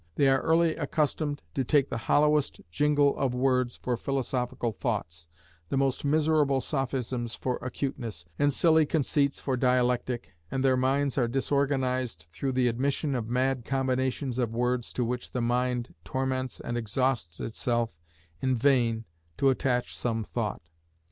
They are early accustomed to take the hollowest jingle of words for philosophical thoughts, the most miserable sophisms for acuteness, and silly conceits for dialectic, and their minds are disorganised through the admission of mad combinations of words to which the mind torments and exhausts itself in vain to attach some thought.